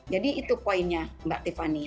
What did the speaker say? jadi itu poinnya mbak tiffany